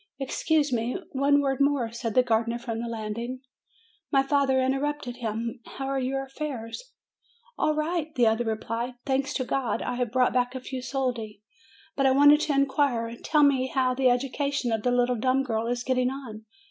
"Excuse me; one word more," said the gardener, from the landing. My father interrupted him, "How are your affairs?" "All right," the other replied. "Thanks to God, I have brought back a few soldi. But I wanted to in quire. Tell me how the education of the little dumb girl is getting on.